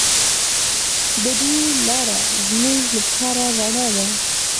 د دوی لاره زموږ لپاره رڼا ده.